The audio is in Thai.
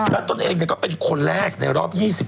และตนเองเนี่ยก็เป็นคนแรกในรอบ๒๐ปี